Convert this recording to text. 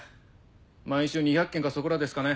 毎週２００件かそこらですかね。